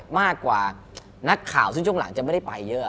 มากกว่านักข่าวซึ่งช่วงหลังจะไม่ได้ไปเยอะ